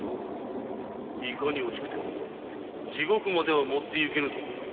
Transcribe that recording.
・いかに惜しくても地獄までは持っていけぬぞ！